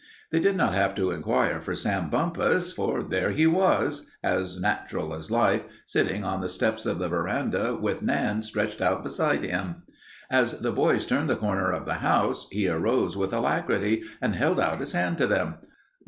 They did not have to inquire for Sam Bumpus, for there he was, as natural as life, sitting on the steps of the veranda with Nan stretched out beside him. As the boys turned the corner of the house he arose with alacrity and held out his hand to them.